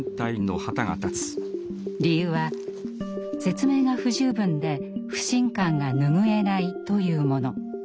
理由は説明が不十分で不信感が拭えないというもの。